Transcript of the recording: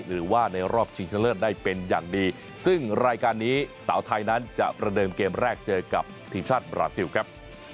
หรือว่าในรอบชิงชะเลิศได้เป็นอย่างดีซึ่งรายการนี้สาวไทยนั้นจะประเดิมเกมแรกเจอกับทีมชาติบราซิลครับ